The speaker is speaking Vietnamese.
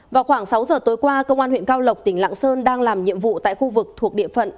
vào khoảng sáu giờ tối qua công an huyện cao lộc tỉnh lạng sơn đang làm nhiệm vụ tại khu vực thuộc địa phận